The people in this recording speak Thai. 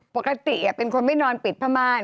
ปกติเป็นคนไม่นอนปิดผ้าม่าน